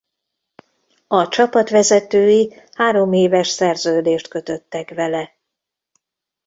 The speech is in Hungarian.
A csapat vezetői hároméves szerződést kötöttek vele.